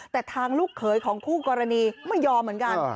แต่ทางลูกเขยของคู่กรณีไม่ยอมเหมือนกัน